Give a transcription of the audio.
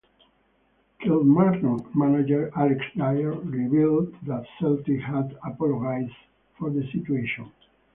Kilmarnock manager Alex Dyer revealed that Celtic had apologised for the situation.